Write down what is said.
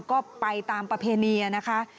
ก็ไปตามประเพณีนะคะ